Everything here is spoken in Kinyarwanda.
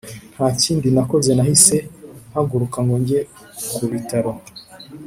ntakindi nakoze nahise mpaguruka ngo njye kubitaro